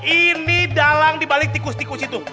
ini dalang dibalik tikus tikus itu